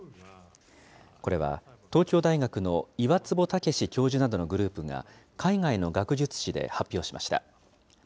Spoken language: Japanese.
これは東京大学の岩坪威教授などのグループが海外の学術誌で発表しました。